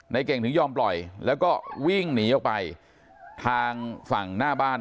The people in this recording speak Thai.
เก่งถึงยอมปล่อยแล้วก็วิ่งหนีออกไปทางฝั่งหน้าบ้าน